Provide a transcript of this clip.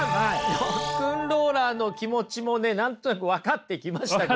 ロックンローラーの気持ちも何となく分かってきました。